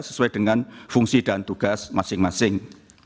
sesuai dengan fungsi dan tugas masing masing